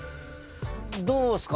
どうですか？